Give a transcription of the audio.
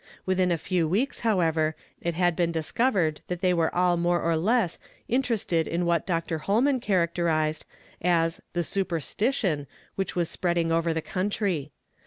Within a few weeks, how(!vcr. it had been discovered that they were all nioir or less interested in what Mr. Ilolinan characterized as the "superstition" which was spreading over the country.